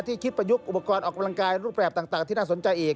คิดประยุกต์อุปกรณ์ออกกำลังกายรูปแบบต่างที่น่าสนใจอีก